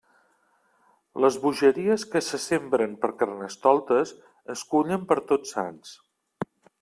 Les bogeries que se sembren per Carnestoltes es cullen per Tots Sants.